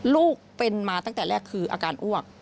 ลูกเป็นมาตั้งแต่แรกคืออาการอ้วก